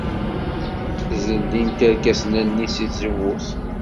Zellint irkasen-nni seg tzewwut.